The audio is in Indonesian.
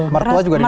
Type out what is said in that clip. mertua juga di situ